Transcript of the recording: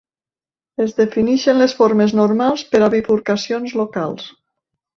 Es defineixen les formes normals per a bifurcacions locals.